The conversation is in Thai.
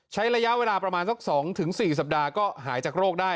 ใช้ระยะเวลาประมาณสัก๒๔สัปดาห์ก็หายจากโรคได้